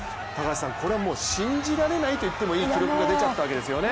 これは信じられないといってもいい記録が出てしまいましたね。